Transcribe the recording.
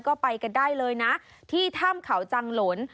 ก็ไปกันได้เลยนะที่ถ้ำเขาจังหลน